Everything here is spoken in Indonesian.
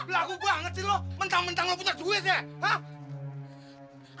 laku banget cil lo mentang mentang lo putar duitnya hah